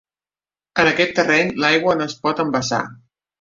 En aquest terreny l'aigua no es pot embassar.